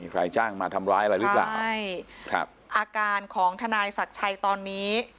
ใครจ้างมาทำร้ายอะไรหรือเปล่าใช่ครับอาการของทนายศักดิ์ชัยตอนนี้